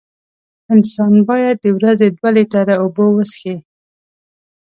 انسان باید د ورځې دوه لېټره اوبه وڅیښي.